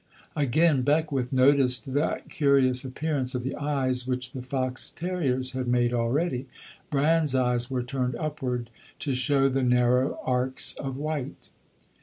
Again Beckwith noticed that curious appearance of the eyes which the fox terrier's had made already. Bran's eyes were turned upward to show the narrow arcs of white.